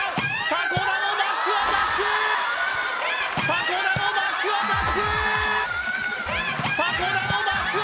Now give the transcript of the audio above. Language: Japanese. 迫田のバックアタック！